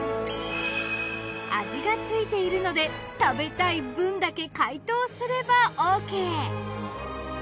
味がついているので食べたい分だけ解凍すればＯＫ。